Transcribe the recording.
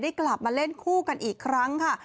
กลับมาเล่นคู่กันอีกครั้งค่ะ